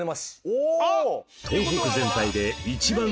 お！